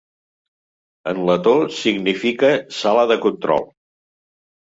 En letó, significa "sala de control".